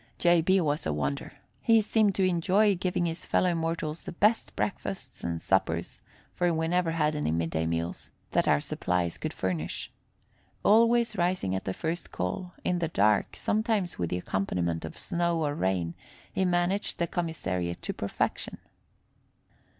J. B. was a wonder. He seemed to enjoy giving his fellow mortals the best breakfasts and suppers for we never had any midday meals that our supplies could furnish. Always rising at the first call, in the dark, sometimes with an accompaniment of snow or rain, he managed the commissariat to perfection.